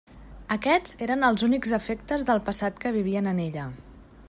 Aquests eren els únics afectes del passat que vivien en ella.